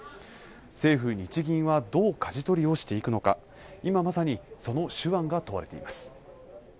政府・日銀はどう舵取りをしていくのか今まさにその手腕が問われています